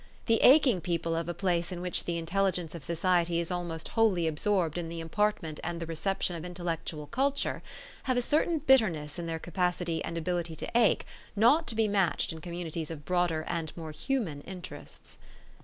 The aching people of a place in which the intelligence of society is almost wholly absorbed in the impairment and the reception of intellectual culture, have a certain bitterness in their capacity and ability to ache not to be matched in communities of broader and more human interests.